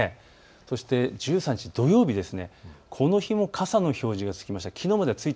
そして１３日土曜日この日も傘の表示がつきました。